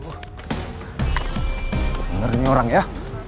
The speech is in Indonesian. bener ini orang ya